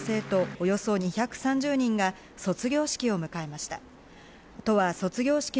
およそ２３０人が卒業式を迎えました。